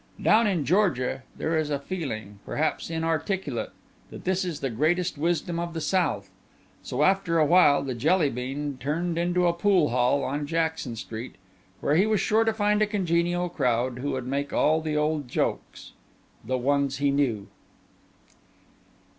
Down in Georgia there is a feeling perhaps inarticulate that this is the greatest wisdom of the South so after a while the Jelly bean turned into a poolhall on Jackson Street where he was sure to find a congenial crowd who would make all the old jokes the ones he knew.